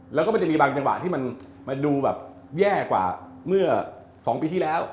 แล้วก็มันจะมีบางจังหวะที่มันดูแบบแย่กว่าเมื่อ๒ปีที่แล้ว